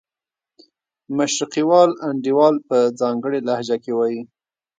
مشرقي وال انډیوال په ځانګړې لهجه کې وایي.